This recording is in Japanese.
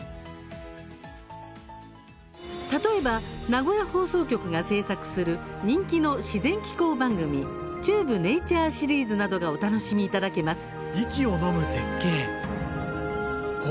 例えば、名古屋放送局が制作する人気の自然紀行番組「中部ネイチャーシリーズ」などがお楽しみいただけます。